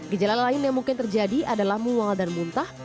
gejala lain yang mungkin terjadi adalah mual dan muntah